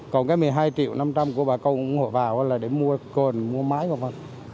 còn cái một mươi hai triệu năm trăm linh của bà con ngồi vào là để mua cồn mua máy của bà con